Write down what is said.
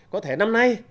có thể năm nay